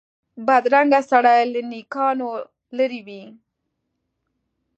بدرنګه سړی له نېکانو لرې وي